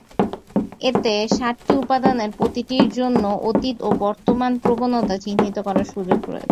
এতে সাতটি উপাদানের প্রতিটির জন্য অতীত ও বর্তমান প্রবণতা চিহ্নিত করার সুযোগ রয়েছে।